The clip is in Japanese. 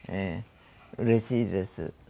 うれしいです。